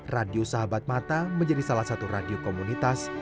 radio sahabat mata menjadi salah satu radio komunitas